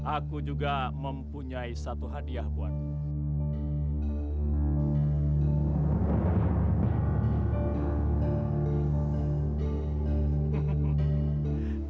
aku juga mempunyai satu hadiah buat